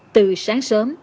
từ sáng sớm